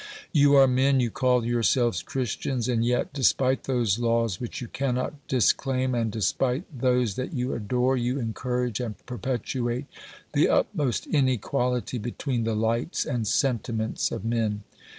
You are men, you call yourselves Christians, and yet, despite those laws which you cannot disclaim and despite those that you adore, you encourage and perpetuate the utmost inequahty between the lights and sentiments of men.